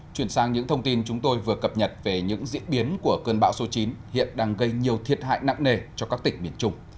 chuyển sang những thông tin chúng tôi vừa cập nhật về những diễn biến của cơn bão số chín hiện đang gây nhiều thiệt hại nặng nề cho các tỉnh miền trung